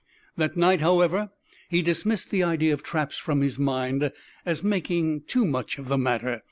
That night, however, he dismissed the idea of traps from his mind as making too much of the matter.